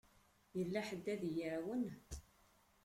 Yella ḥedd ad y-iεawen?